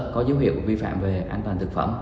có dấu hiệu vi phạm về an toàn thực phẩm